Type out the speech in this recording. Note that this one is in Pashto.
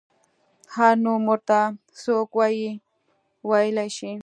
هر نوم ورته څوک وايي ویلی شي.